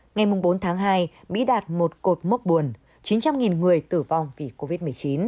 ngày bốn tháng hai mỹ đạt một cột mốc buồn chín trăm linh người tử vong vì covid một mươi chín